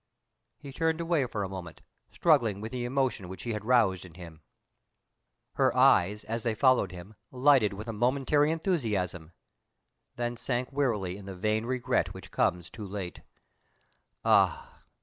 He turned away for a moment, struggling with the emotion which she had roused in him. Her eyes, as they followed him, lighted with a momentary enthusiasm then sank wearily in the vain regret which comes too late. Ah!